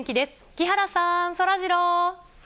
木原さん、そらジロー。